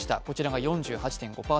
こちらが４８．５％。